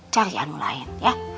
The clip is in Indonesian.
cari yang lain ya